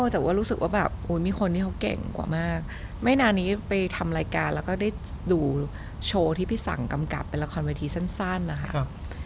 แต่ว่ารู้สึกว่าแบบมีคนที่เขาเก่งกว่ามากไม่นานนี้ไปทำรายการแล้วก็ได้ดูโชว์ที่พี่สั่งกำกับเป็นละครเวทีสั้นนะคะ